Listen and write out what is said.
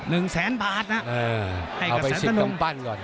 หนึ่งแสนบาทน่ะเออให้เอาไปเซ็นกำปั้นก่อน